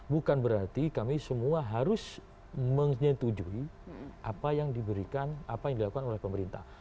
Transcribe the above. bukan berarti kami semua harus menyetujui apa yang diberikan apa yang dilakukan oleh pemerintah